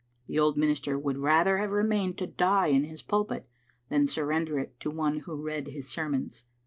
The old minister would rather have remained to die in his pulpit than surrender it to one who read his sermons.